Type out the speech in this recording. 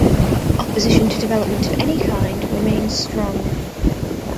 Opposition to development of any kind remains strong.